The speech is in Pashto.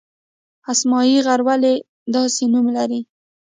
اسمايي غر ولې داسې نوم لري؟